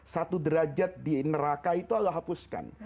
satu derajat di neraka itu allah hapuskan